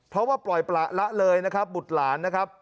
เพราะว่าปล่อยประละเลยนะครับบุตรหลานนะครับ